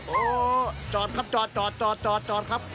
โอ้โฮจอดครับจอดครับ